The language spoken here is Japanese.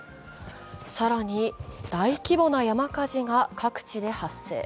更に大規模な山火事が各地で発生。